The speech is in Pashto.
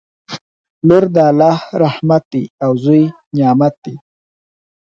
لور د الله رحمت دی او زوی نعمت دی